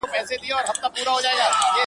• ځيني خلک موضوع عادي ګڼي او حساسيت نه لري,